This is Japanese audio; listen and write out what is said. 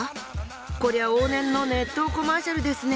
こりゃ往年の熱湯コマーシャルですね。